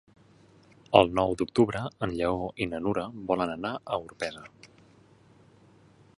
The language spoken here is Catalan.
El nou d'octubre en Lleó i na Nura volen anar a Orpesa.